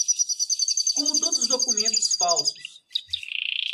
como todos os documentos falsos